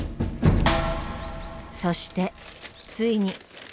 そしてついに。